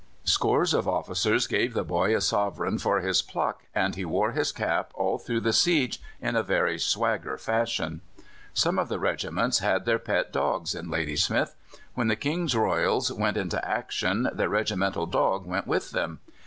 Scores of officers gave the boy a sovereign for his pluck, and he wore his cap all through the siege in a very swagger fashion. Some of the regiments had their pet dogs in Ladysmith. When the King's Royals went into action their regimental dog went with them.